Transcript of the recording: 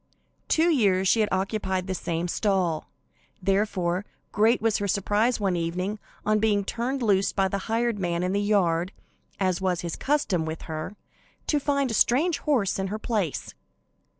Two years she had occupied the same stall; therefore, great was her surprise one evening, on being turned loose by the hired man in the yard, as was his custom with her, to find a strange horse in her place.